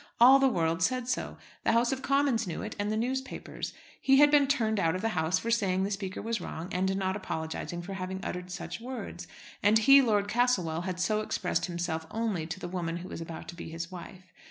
All the world said so. The House of Commons knew it, and the newspapers. He had been turned out of the House for saying the Speaker was wrong, and not apologising for having uttered such words. And he, Lord Castlewell, had so expressed himself only to the woman who was about to be his wife.